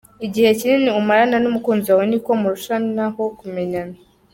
Igihe kinini umarana n’ umukunzi wawe niko murushaho kumenyana.